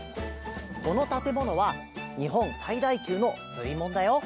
このたてものはにほんさいだいきゅうのすいもんだよ。